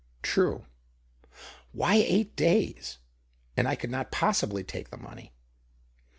" True. Why eight days ? And I could Qot possibly take the money."